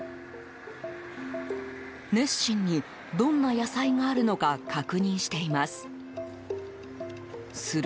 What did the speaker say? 熱心に、どんな野菜があるのか確認しています。